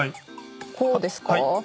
こうですか？